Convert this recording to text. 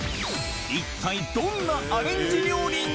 一体どんなアレンジ料理が？